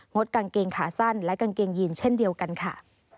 ดกางเกงขาสั้นและกางเกงยีนเช่นเดียวกันค่ะ